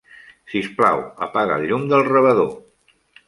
Sisplau, apaga el llum del rebedor.